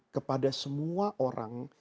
kepada semua orang